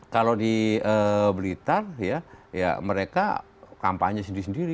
kalau di blitar ya mereka kampanye sendiri sendiri